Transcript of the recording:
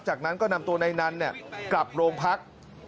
จากนั้นก็นำตัวนายนันกลับโรงพัก